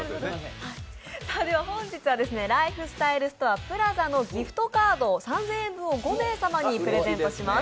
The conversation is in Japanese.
本日はライフスタイルストア・ＰＬＡＺＡのギフトカード、３０００円分を５名様にプレゼントします。